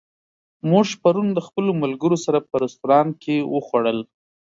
موږ پرون د خپلو ملګرو سره په رستورانت کې وخوړل.